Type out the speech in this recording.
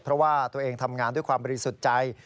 เพราะว่าตัวเองทำงานด้วยความบริสุทธิ์ใจ